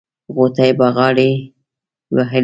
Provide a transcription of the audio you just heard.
غوټۍ بغاري وهلې.